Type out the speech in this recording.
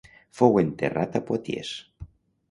Fou enterrat a Poitiers.